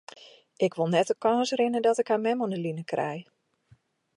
Ik wol net de kâns rinne dat ik har mem oan 'e line krij.